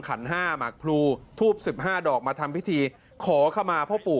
ขัน๕หมักพลูทูบ๑๕ดอกมาทำพิธีขอขมาพ่อปู่